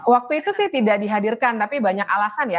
waktu itu sih tidak dihadirkan tapi banyak alasan ya